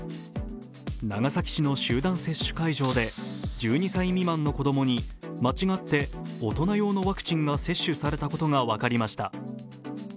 長崎市の集団接種会場で１２歳未満の子供に間違って大人用のワクチンが接種されたことが分かりました。